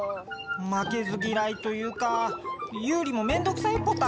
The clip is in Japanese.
まけずぎらいというかユウリもめんどくさいポタね。